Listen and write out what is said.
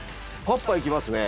パッパ行きますね。